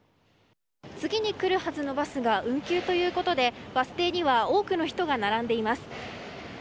次に来るはずのバスが運休ということでバス停には多くの人が並んでいます。